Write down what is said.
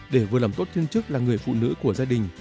để vừa làm tốt phiên chức là người phụ nữ của gia đình